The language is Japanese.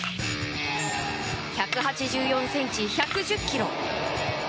１８４ｃｍ、１１０ｋｇ。